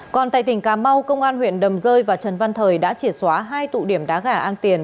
còn tại tỉnh cà mau công an huyện đầm rơi và trần văn thời đã triệt xóa hai tụ điểm đá gà an tiền